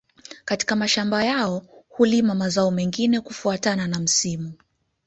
Katika mashamba yao hulima mazao mengine kufuatana na msimu